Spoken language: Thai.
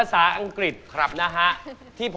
ไม่กินเป็นร้อย